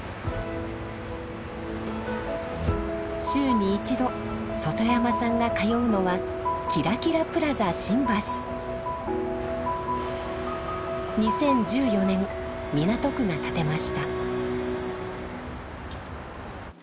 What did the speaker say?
週に一度外山さんが通うのは２０１４年港区が建てました。